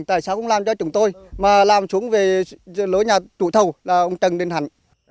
tại sao không làm cho chúng tôi mà làm xuống về lối nhà trụ thầu là ông trần đình hạnh